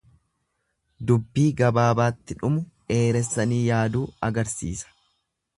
Dubbii gabaabaatti dhumu dheeressanii yaaduu agarsiisa.